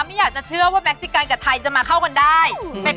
ไม่อยากจะเชื่อว่าแม็กซิกันกับไทยจะมาเข้ากันได้